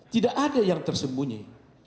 tidak ada yang tersembunyi